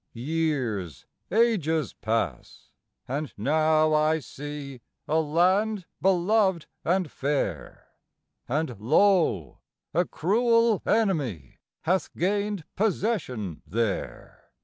Years, ages pass and now I see a land beloved and fair; And lo! a cruel enemy hath gained possession there.